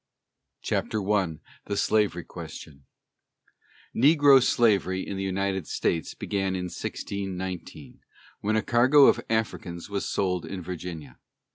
CHAPTER I THE SLAVERY QUESTION Negro slavery in the United States began in 1619, when a cargo of Africans was sold in Virginia.